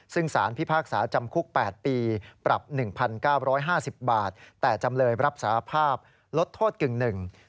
ซึ่งสารพิพากษาจำคุก๘ปีปรับ๑๙๕๐บาทแต่จำเลยรับสารภาพลดโทษกึ่งหนึ่ง